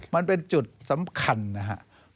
มันเป็นจุดสำคัญนะครับ